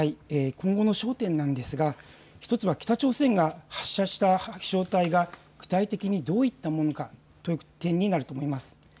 今後の焦点なんですが１つは北朝鮮が発射した飛しょう体が具体的にどういったものかという点になると思います。